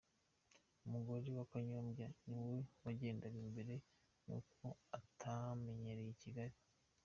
Umugore wa Kanyombya ni we wagendaga imbere n'ubwo atamenyereye Kigali.